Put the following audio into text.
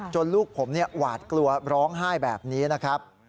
ลูกผมหวาดกลัวร้องไห้แบบนี้นะครับ